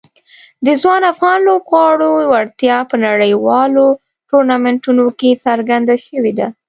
د ځوان افغان لوبغاړو وړتیا په نړیوالو ټورنمنټونو کې څرګنده شوې ده.